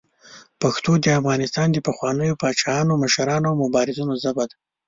پښتو د افغانستان د پخوانیو پاچاهانو، مشرانو او مبارزینو ژبه ده.